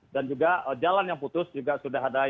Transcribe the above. dan juga jalan yang putus juga sudah ada yang